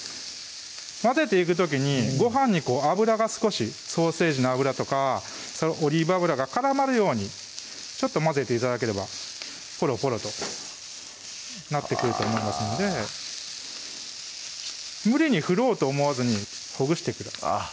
混ぜていく時にご飯に油が少しソーセージの脂とかオリーブ油が絡まるようにちょっと混ぜて頂ければポロポロとなってくると思いますので無理に振ろうと思わずにほぐしてください